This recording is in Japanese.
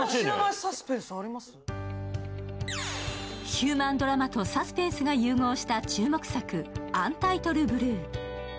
ヒューマンドラマとサスペンスが融合した注目作「アンタイトル・ブルー」。